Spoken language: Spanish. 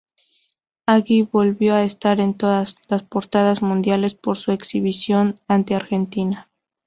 Hagi volvió a estar en todas las portadas mundiales por su exhibición ante Argentina.